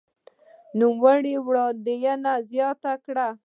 نوموړي وړاندې زياته کړې